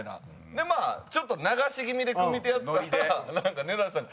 でまあちょっと流し気味で組手やったらなんか根建さん